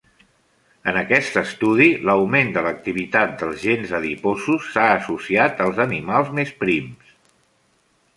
En aquest estudi, l'augment de l'activitat dels gens adiposos s'ha associat als animals més prims.